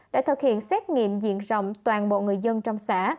đã thực hiện xét nghiệm diện rộng toàn bộ người dân trong xã